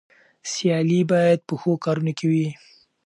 سيالي بايد په ښو کارونو کې وي.